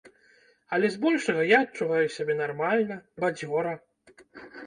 Але збольшага я адчуваю сябе нармальна, бадзёра.